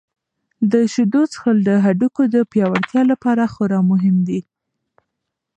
د شیدو څښل د هډوکو د پیاوړتیا لپاره خورا مهم دي.